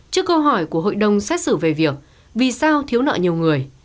trước câu hỏi của hội đồng xét xử về việc vì sao thiếu nợ nhiều người